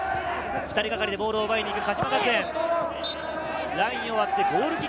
２人がかりでボールを奪いに行く鹿島学園。